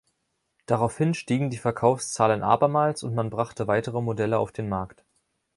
Daraufhin stiegen die Verkaufszahlen abermals und man brachte weitere Modelle auf den Markt.